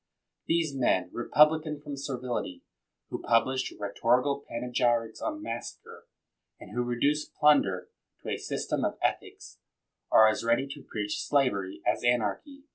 These men, Republican from servility, who pub lished rhetorical panegyrics on massacre, and who reduced plunder to a system of ethics, are as ready to preach slavery as anarchy.